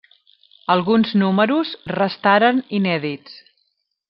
Alguns números restaren inèdits.